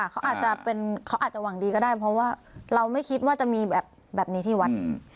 เขาอาจจะหวังดีก็ได้เพราะว่าเราไม่คิดว่าจะมีแบบนี้ที่วัด